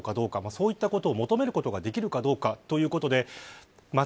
そういったことを求めることができるかどうかということで。